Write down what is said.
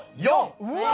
うわ！